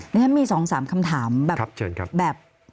นี่มีสองสามคำถามแบบ